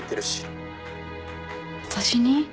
私に？